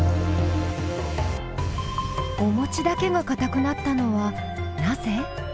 おもちだけがかたくなったのはなぜ？